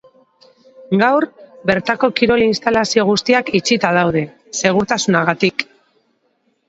Gaur bertako kirol instalazio guztiak itxita daude, segurtasunagatik.